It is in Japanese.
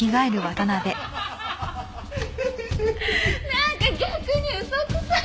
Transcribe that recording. なんか逆に嘘くさい！